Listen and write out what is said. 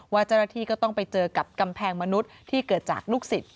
เจ้าหน้าที่ก็ต้องไปเจอกับกำแพงมนุษย์ที่เกิดจากลูกศิษย